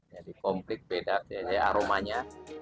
jadi komplit beda jadi aromanya